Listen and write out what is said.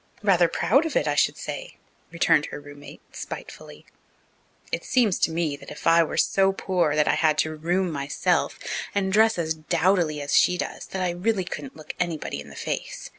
"Rather proud of it, I should say," returned her roommate, spitefully. "It seems to me that if I were so poor that I had to 'room' myself and dress as dowdily as she does that I really couldn't look anybody in the face.